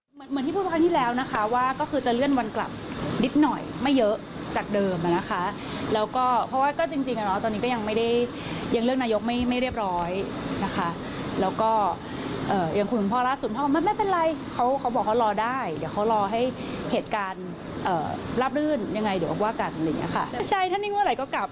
คุณพ่อจะมองเห็นว่านิ่งเบอร์ไหนอะไรอย่างนี้